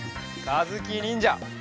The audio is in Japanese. かずきにんじゃ。